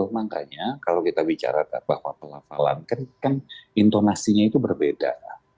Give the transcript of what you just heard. makanya kalau kita bicara bahwa pelafalan kan intonasinya itu berbeda